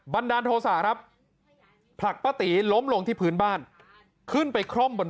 ดาลโทษะครับผลักป้าตีล้มลงที่พื้นบ้านขึ้นไปคล่อมบน